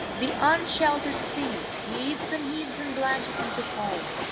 The unsheltered sea heaves and heaves and blanches into foam.